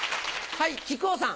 はい木久扇さん。